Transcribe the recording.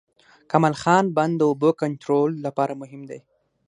کمال خان بند د اوبو کنټرول لپاره مهم دی